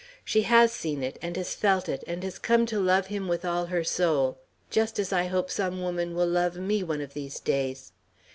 She has seen it, and has felt it, and has come to love him with all her soul, just as I hope some woman will love me one of these days.